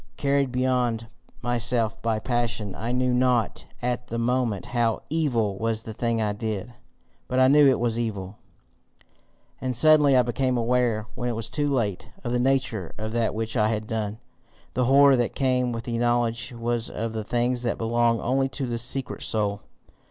Carried beyond myself by passion, I knew not at the moment HOW evil was the thing I did. But I knew it was evil. And suddenly I became aware, when it was too late, of the nature of that which I had done. The horror that came with the knowledge was of the things that belong only to the secret soul.